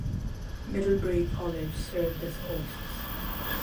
Middlebury College served as hosts.